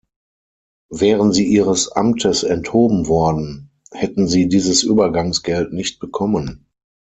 Wären sie ihres Amtes enthoben worden, hätten sie dieses Übergangsgeld nicht bekommen.